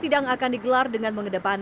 pembangunan akan diadakan dengan kekuasaan